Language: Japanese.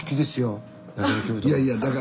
いやいやだから。